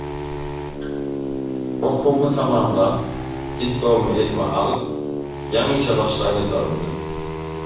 Okuwymy tamamlap, diplomymy elime alyp, ýaňy işe başlan ýyllarymdy.